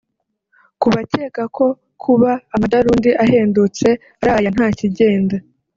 Ku bakeka ko kuba amadarundi ahendutse ari aya nta kigenda